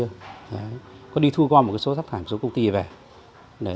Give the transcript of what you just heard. các thôn ở dưới kia có đi thu qua một số rác thải của một số công ty về